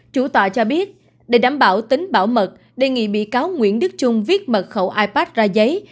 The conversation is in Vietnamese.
chủ tòa cho biết để đảm bảo tính bảo mật đề nghị bị cáo nguyễn đức trung viết mật khẩu ipad ra giấy